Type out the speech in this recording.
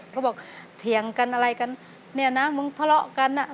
เขาบอกเถียงกันอะไรกันเนี่ยนะมึงทะเลาะกันอ่ะ